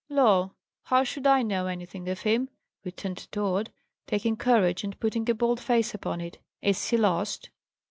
"Law! how should I know anything of him?" returned Tod, taking courage, and putting a bold face upon it. "Is he lost?"